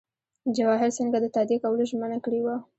جواهر سینګه د تادیه کولو ژمنه کړې وه.